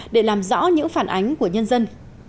để làm rõ những phản ánh của nhân dân